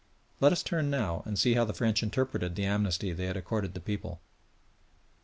Let us turn now and see how the French interpreted the amnesty they had accorded the people.